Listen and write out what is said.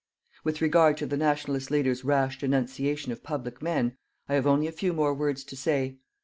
With regard to the Nationalist leader's rash denunciation of public men, I have only a few more words to say.